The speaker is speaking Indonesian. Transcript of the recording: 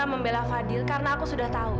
dan membeli belah fadhil karena aku sudah tahu